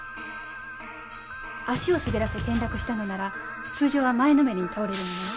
足を滑らせ転落したのなら通常は前のめりに倒れるもの。